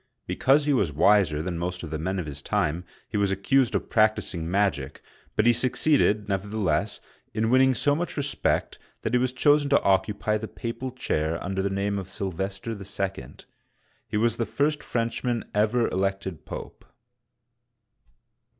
Because he was wiser than most of the men of his time, he was accused of practicing magic, but he succeeded, never theless, in winning so much respect that he was chosen to occupy the papal chair under the name of Sylvester II. He was the first Frenchman ever elected Pope.